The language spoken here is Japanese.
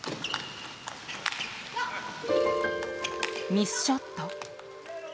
ミスショット。